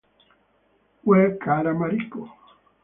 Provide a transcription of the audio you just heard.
Ue kara Mariko